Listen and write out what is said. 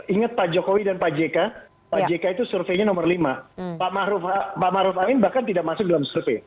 ingat pak jokowi dan pak jk pak jk itu surveinya nomor lima pak maruf amin bahkan tidak masuk dalam survei